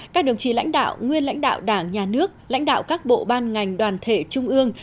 các đồng chí lãnh đạo nguyên lãnh đạo đảng nhà nước lãnh đạo các bộ ban ngành đoàn thể trung ương